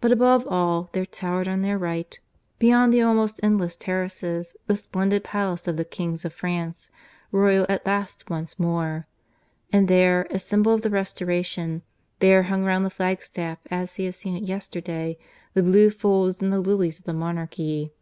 But above all there towered on their right, beyond the almost endless terraces, the splendid palace of the kings of France, royal at last once more. And there, as symbol of the Restoration, there hung round the flagstaff as he had seen it yesterday the blue folds and the lilies of the monarchy.